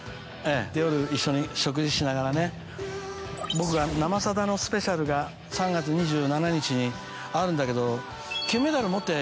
僕が「『生さだ』のスペシャルが３月２７日にあるんだけど」。